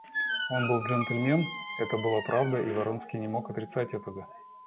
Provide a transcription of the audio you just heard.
Он был джентльмен — это была правда, и Вронский не мог отрицать этого.